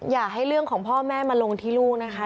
อย่าให้เรื่องของพ่อแม่มาลงที่ลูกนะคะ